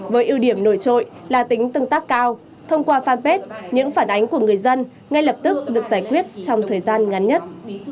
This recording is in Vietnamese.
với ưu điểm nổi trội là tính tương tác cao thông qua fanpage những phản ánh của người dân ngay lập tức được giải quyết trong thời gian ngắn nhất